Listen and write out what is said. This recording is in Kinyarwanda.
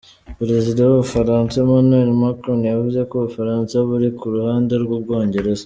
Perezida w'Ubufaransa Emmanuel Macron yavuze ko Ubufaransa buri ku ruhande rw'Ubwongereza.